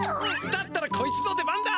だったらこいつの出番だ！